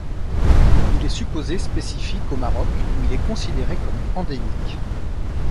Il est supposé spécifique au Maroc où il est considéré comme endémique.